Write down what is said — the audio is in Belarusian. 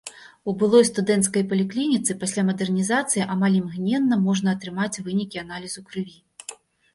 У былой студэнцкай паліклініцы пасля мадэрнізацыі амаль імгненна можна атрымаць вынікі аналізу крыві.